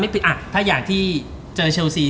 เพราะถ้าอย่างที่เจอเชลซี